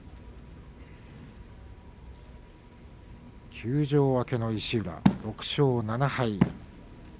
休場明けの石浦、６勝７敗。